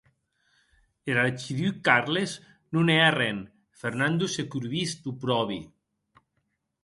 Er archiduc Carles non hè arren; Fernando se curbís d’opròbri.